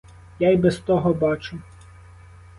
Я й без того бачу.